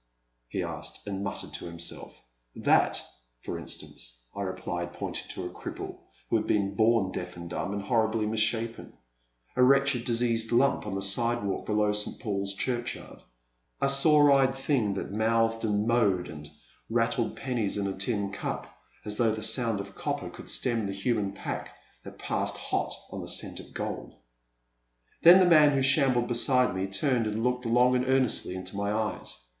he asked, and muttered to him self. That, for instance, I replied, pointing to a cripple, who had been bom deaf and dumb and horridly misshapen, — a wretched diseased Itmip on the sidewalk below St. PauPs Churchyard, — a sore eyed thing that mouthed and mowed and rattled pennies in a tin cup as though the sound of copper could stem the human pack that passed hot on the scent of gold. Then the man who shambled beside me turned and looked long and earnestly into my eyes.